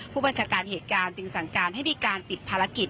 ผู้บัญชาการเหตุการณ์จึงสั่งการให้มีการปิดภารกิจ